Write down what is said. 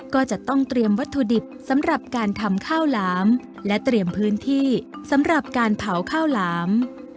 ก็จะต้องเตรียมวัตถุดิบสำหรับการทำข้าวหลามและเตรียมพื้นที่สำหรับการเผาข้าวหลาม